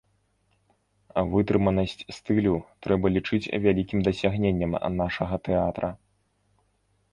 Вытрыманасць стылю трэба лічыць вялікім дасягненнем нашага тэатра.